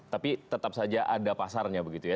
tapi tetap saja ada pasarnya begitu ya